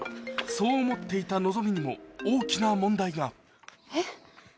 そう思っていた希にも大きな問題がえっ？